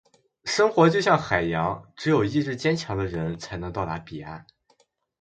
生活就像海洋，只有意志坚强的人，才能到达彼岸。